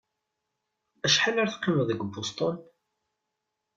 Acḥal ara teqqimeḍ deg Boston?